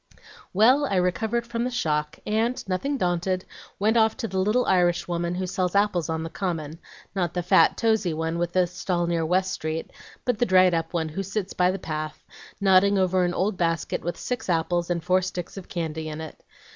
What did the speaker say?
"Well, I recovered from the shock, and, nothing daunted, went off to the little Irishwoman who sells apples on the Common, not the fat, tosey one with the stall near West Street, but the dried up one who sits by the path, nodding over an old basket with six apples and four sticks of candy in it.